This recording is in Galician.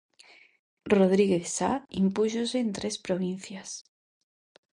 Rodríguez Sáa impúxose en tres provincias.